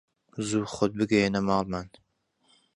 زوو خۆت بگەیەنە ماڵمان